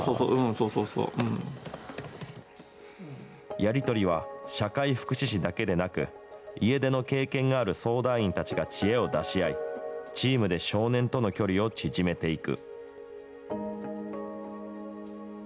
やり取りは、社会福祉士だけでなく、家出の経験がある相談員たちが知恵を出し合い、チームで少年との距離を縮めていく。